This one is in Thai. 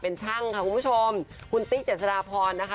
เป็นช่างค่ะคุณผู้ชมคุณติ๊กเจษฎาพรนะคะ